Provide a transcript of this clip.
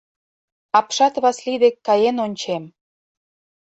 — Апшат Васлий дек каен ончем.